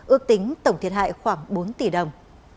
ước tính tổng thiệt hại khoảng bốn tỷ đồng